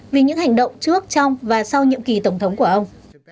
vì những hành động trước trong và sau nhiệm kỳ tổng thống của ông